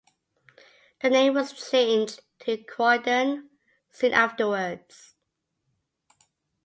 The name was changed to "Croydon" soon afterwards.